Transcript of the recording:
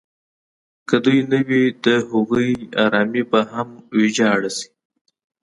که دوی نه وي د هغوی ارامي به هم ویجاړه شي.